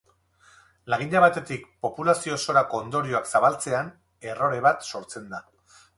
Lagina batetik populazio osorako ondorioak zabaltzean, errore bat sortzen da.